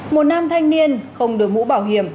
một nam thanh niên không được mũ bảo hiểm